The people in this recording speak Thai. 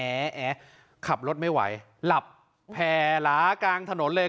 แอขับรถไม่ไหวหลับแผ่หลากลางถนนเลย